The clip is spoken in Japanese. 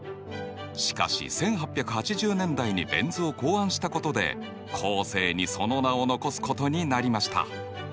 しかし１８８０年代にベン図を考案したことで後世にその名を残すことになりました。